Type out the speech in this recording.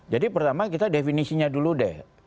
pertama kita definisinya dulu deh